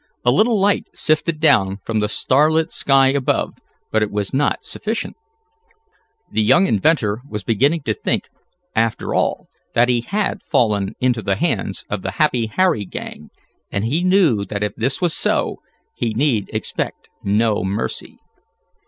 A little light sifted down from the starlit sky above, but it was not sufficient. The young inventor was beginning to think, after all, that he had fallen into the hands of the Happy Harry gang, and he knew that if this was so he need expect no mercy.